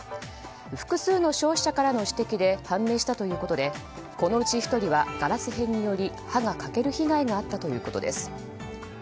複数の消費者からの指摘で判明したということでこのうち１人はガラス片により歯が欠ける被害があったということです。